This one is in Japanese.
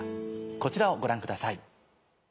こちらをご覧ください。